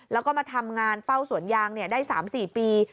แล้วก็มาทำงานเฝ้าสวนยางได้๓๔ปี